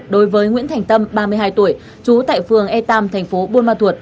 đối với nguyễn thành tâm ba mươi hai tuổi chú tại phường e ba thành phố buôn ma thuột